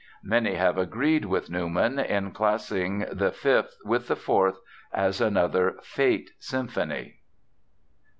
Many have agreed with Newman in classing the Fifth with the Fourth as another "fate" symphony.